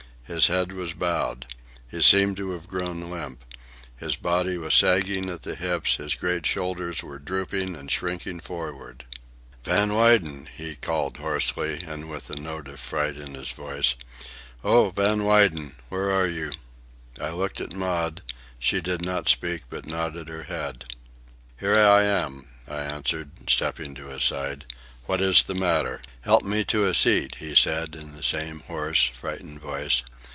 His head was bowed. He seemed to have grown limp. His body was sagging at the hips, his great shoulders were drooping and shrinking forward. "Van Weyden!" he called hoarsely, and with a note of fright in his voice. "Oh, Van Weyden! where are you?" I looked at Maud. She did not speak, but nodded her head. "Here I am," I answered, stepping to his side. "What is the matter?" "Help me to a seat," he said, in the same hoarse, frightened voice.